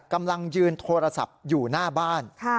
กำลังยืนโทรศัพท์อยู่หน้าบ้าน